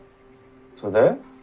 それで？